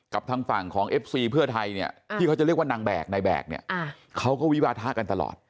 ทางฝั่งของเอฟซีเพื่อไทยเนี่ยที่เขาจะเรียกว่านางแบกนายแบกเนี่ยเขาก็วิวาทะกันตลอด